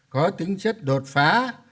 có tính chất đột phá